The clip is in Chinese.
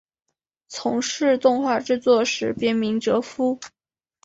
从事动画制作时别名哲夫。